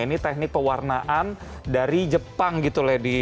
ini teknik pewarnaan dari jepang gitu lady